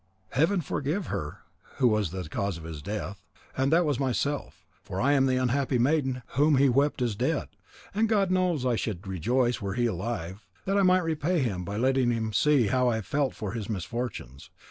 Heaven forgive her who was the cause of his death, and that was myself; for I am the unhappy maiden whom he wept as dead, and God knows how I should rejoice were he alive, that I might repay him by letting him see how I felt for his misfortunes.